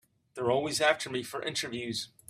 They're always after me for interviews.